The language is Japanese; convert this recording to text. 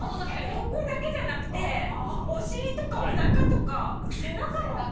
ここだけじゃなくてお尻とかおなかとか背中も。